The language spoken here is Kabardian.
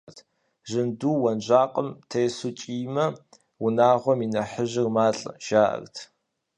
Жьынду уэнжакъым тесу кӀиймэ, унагъуэм и нэхъыжьыр малӀэ, жаӀэрт.